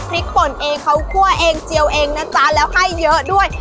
ป่นเองเขาคั่วเองเจียวเองนะจ๊ะแล้วให้เยอะด้วย